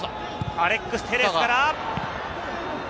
アレックス・テレスから。